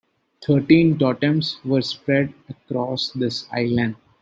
Thirteen totems were spread across this island.